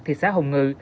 thị xã hồng ngự